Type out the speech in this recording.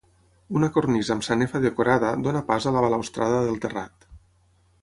Una cornisa amb sanefa decorada dóna pas a la balustrada del terrat.